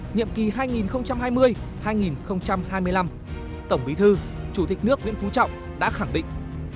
nhiệm kỳ hai nghìn hai mươi hai nghìn hai mươi năm tổng bí thư chủ tịch nước nguyễn phú trọng đã khẳng định